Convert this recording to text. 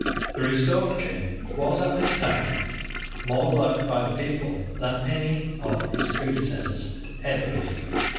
The restored King was at this time more loved by the people than any of his predecessors had ever been.